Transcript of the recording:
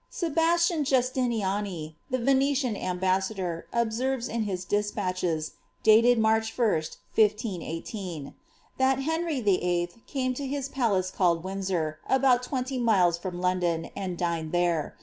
Sebastian Jnstianiani, the Venetian ambaasador. ob aenres in his despatches, dated March lat, 1518,* that <^ Henry V11L came to his palace called Windsor, about twenty miles from Londoa, and dined there.